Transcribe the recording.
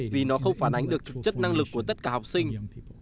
vì nó không phản ánh được chất năng lực của tất cả học sinh